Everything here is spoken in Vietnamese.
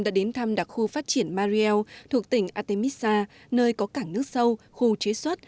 đã đến thăm đặc khu phát triển mariel thuộc tỉnh artemisa nơi có cảng nước sâu khu chế xuất